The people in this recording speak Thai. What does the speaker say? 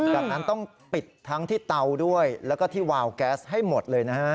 ดังนั้นต้องปิดทั้งที่เตาด้วยแล้วก็ที่วาวแก๊สให้หมดเลยนะฮะ